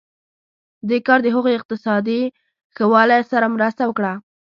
دې کار د هغوی اقتصادي ښه والی سره مرسته وکړه.